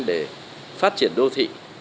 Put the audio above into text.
để phát triển đô thị